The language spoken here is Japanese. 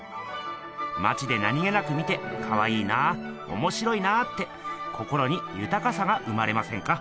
まちで何気なく見てかわいいなおもしろいなって心にゆたかさが生まれませんか？